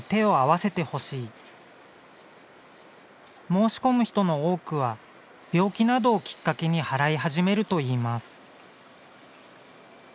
申し込む人の多くは病気などをきっかけに払い始めるといいます。